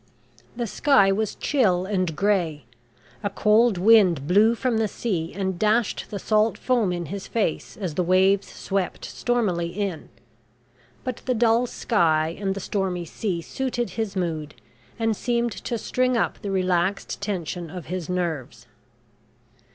The sky was chill and grey; a cold wind blew from the sea and dashed the salt foam in his face as the waves swept stormily in. But the dull sky and the stormy sea suited his mood, and seemed to string up the relaxed tension of his nerves.